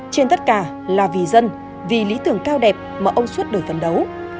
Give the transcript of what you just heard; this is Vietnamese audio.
trên tất cả là vì dân vì lý tưởng cao đẹp mà ông suốt đời phấn đấu